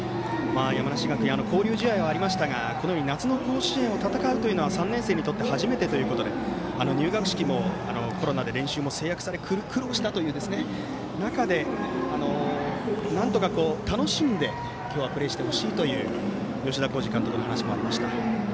山梨学院交流試合はありましたがこのように夏の甲子園を戦うのは３年生にとって初めてということで入学式もコロナで練習にも苦労したという中でなんとか楽しんで今日はプレーしてほしいという吉田洸二監督の話もありました。